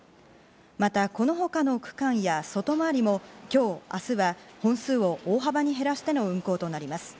また、この他の区間や外回りも今日、明日は本数を大幅に減らしての運行となります。